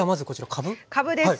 かぶです。